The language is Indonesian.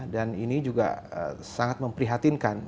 dan ini juga sangat memprihatinkan